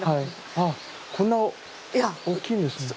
あこんな大きいんですね。